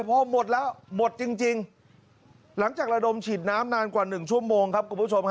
พอหมดแล้วหมดจริงหลังจากระดมฉีดน้ำนานกว่า๑ชั่วโมงครับคุณผู้ชมฮะ